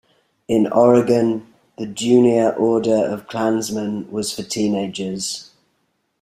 In Oregon the Junior Order of Klansmen was for teenagers.